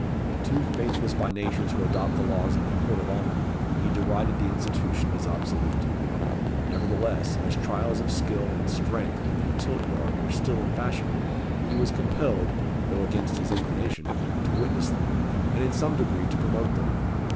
Too faithless by nature to adopt the laws of a Court of Honour, he derided the institution as obsolete. Nevertheless, as trials of skill and strength in the tilt yard were still in fashion, he was compelled, though against his inclination, to witness them, and in some degree to promote them.